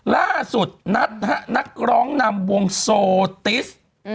ล่าสุดนัทฮะนักร้องนำวงโซติส